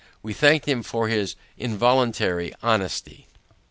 We thank him for his involuntary honesty.